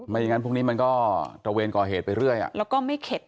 อย่างนั้นพวกนี้มันก็ตระเวนก่อเหตุไปเรื่อยแล้วก็ไม่เข็ด